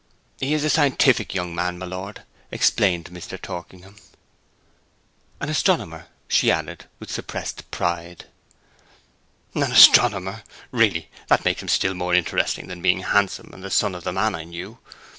'He is a scientific young man, my lord,' explained Mr. Torkingham. 'An astronomer,' she added, with suppressed pride. 'An astronomer! Really, that makes him still more interesting than being handsome and the son of a man I knew.